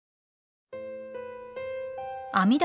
阿弥陀